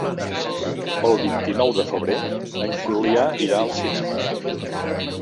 El vint-i-nou de febrer en Julià irà al cinema.